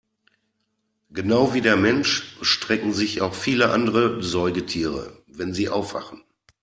Genau wie der Mensch strecken sich auch viele andere Säugetiere, wenn sie aufwachen.